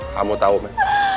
kamu tahu men